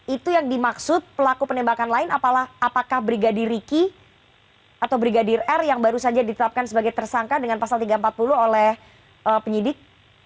itu yang dimaksud pelaku penembakan lain apakah brigadir riki atau brigadir r yang baru saja ditetapkan sebagai tersangka dengan pasal tiga ratus empat puluh oleh penyidik